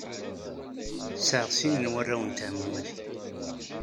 Sɛiɣ sin n warraw n teɛmumatin.